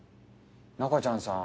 ナカちゃんさん